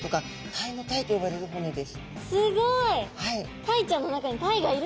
えすごい！